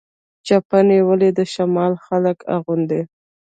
چپنې ولې د شمال خلک اغوندي؟